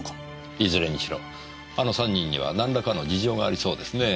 いずれにしろあの３人にはなんらかの事情がありそうですねぇ。